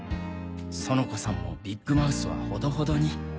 園子さんもビッグマウスはほどほどに。